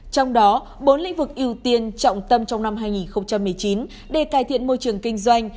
trong đó bốn lĩnh vực ưu tiên trọng tâm trong năm hai nghìn một mươi chín để cải thiện môi trường kinh doanh